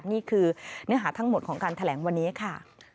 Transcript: นี่คือเนื้อหาทั้งหมดของการแถลงวันนี้ค่ะ